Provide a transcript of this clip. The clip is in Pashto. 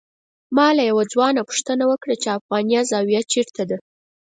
ما له یو ځوان نه پوښتنه وکړه چې افغانیه زاویه چېرته ده.